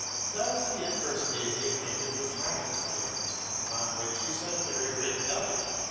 Thus he at first made me acquainted with Hamann's writings, upon which he set a very great value.